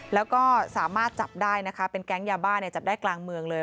แล้วก็สามารถจับได้นะคะเป็นแก๊งยาบ้าเนี่ยจับได้กลางเมืองเลย